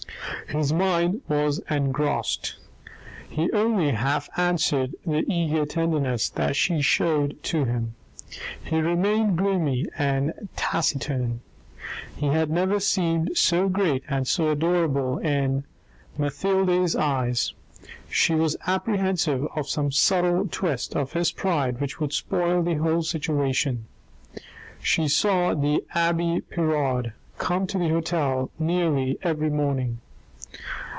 His mind was engrossed ; he only half answered the eager tenderness that she showed to him. He remained gloomy and taciturn. He had never seemed so great and so adorable in Mathilde's eyes. She was apprehensive of some subtle twist of his pride which would spoil the whole situation. She saw the abbe Pirard come to the hotel nearly every morning.